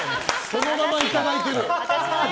そのままいただいてる。